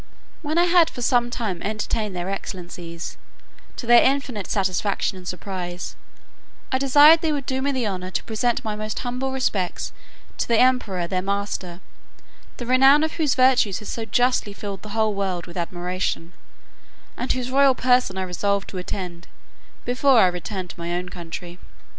When I had for some time entertained their excellencies, to their infinite satisfaction and surprise, I desired they would do me the honour to present my most humble respects to the emperor their master, the renown of whose virtues had so justly filled the whole world with admiration, and whose royal person I resolved to attend, before I returned to my own country.